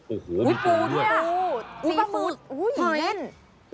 โอ้โหมีปูด้วยนะปูปรูประมูร์หูหยุ่นเล่นไม่เป็นปู